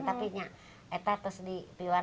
tapi saya tidak bisa belajar